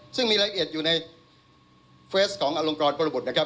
ซึ่งมีรายละเอียดอยู่ในเฟสของอลงกรปรบุตรนะครับ